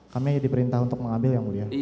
kami diperintah untuk mengambil yang mulia